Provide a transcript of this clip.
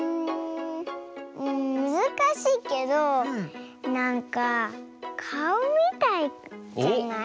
んむずかしいけどなんかかおみたいじゃない？